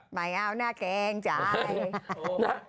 ไม่เอาน่าแกงจ้ะ